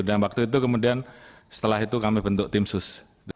dan waktu itu kemudian setelah itu kami bentuk tim sus